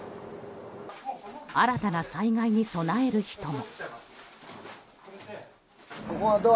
新たな災害に備える人も。